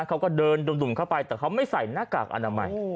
เขาก็เดินดุ่มเข้าไปแต่เขาไม่ใส่หน้ากากอนามัย